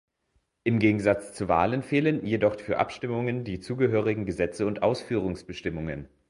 Im Gegensatz zu Wahlen fehlen jedoch für Abstimmungen die zugehörigen Gesetze und Ausführungsbestimmungen.